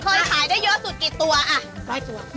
เคยขายได้เยอะสุดกี่ตัวอ่ะร้อยตัว